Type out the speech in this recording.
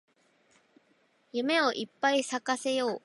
夢をいっぱい咲かせよう